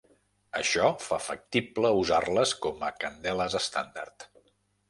Això fa factible usar-les com a candeles estàndard.